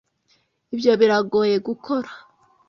Ibyo biragoye gukora?